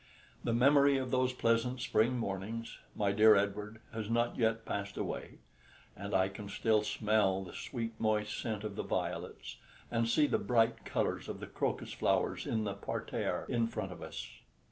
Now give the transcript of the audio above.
The memory of those pleasant spring mornings, my dear Edward, has not yet passed away, and I can still smell the sweet moist scent of the violets, and see the bright colours of the crocus flowers in the parterres in front of us.